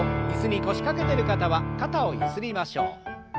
椅子に腰掛けてる方は肩をゆすりましょう。